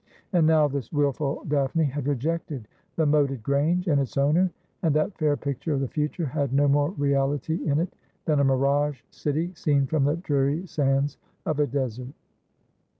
And now this wilfulDaphne had rejected the moated grange and its owner, and that fair picture of the future had no more reality in it than a mirage city seen from the dreary sands of a desert.